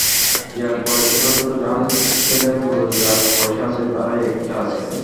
Yacht বলে ছোট ছোট জাহাজ ছেলে-বুড়ো যার পয়সা আছে, তারই একটা আছে।